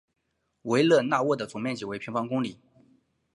维勒讷沃的总面积为平方公里。